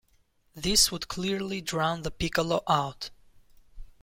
This would clearly drown the piccolo out.